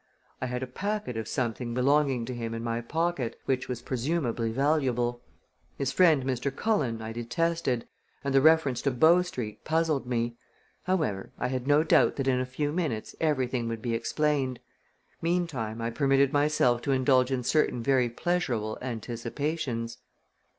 I had a packet of something belonging to him in my pocket, which was presumably valuable. His friend, Mr. Cullen, I detested, and the reference to Bow Street puzzled me. However, I had no doubt that in a few minutes everything would be explained. Meantime I permitted myself to indulge in certain very pleasurable anticipations.